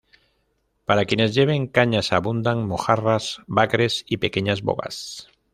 Para quienes lleven cañas abundan mojarras, bagres y pequeñas bogas.